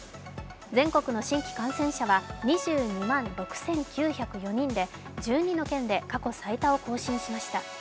全国の新規感染者は２２万６９０４人で１２の県で過去最多を更新しました。